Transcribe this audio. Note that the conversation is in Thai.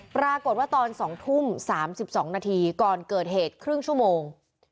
ปรากฏว่าตอน๒ทุ่ม๓๒นาทีก่อนเกิดเหตุครึ่งชั่วโมง